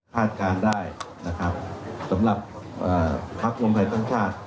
คาดการณ์ได้นะครับสำหรับอ่าพรรควรมภัยทั้งชาติ